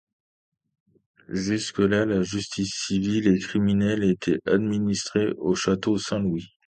Jusque-là, la justice civile et criminelle était administrée au château Saint-Louis.